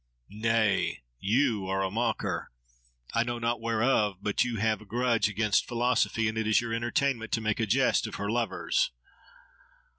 —Nay! you are a mocker! I know not wherefore, but you have a grudge against philosophy; and it is your entertainment to make a jest of her lovers.